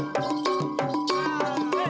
siapa mpm dia ya